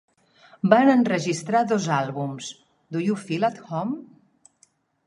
Van enregistrar dos àlbums, Do You Feel at Home?